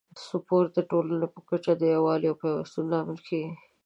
سپورت د ټولنې په کچه د یووالي او پیوستون لامل کیږي.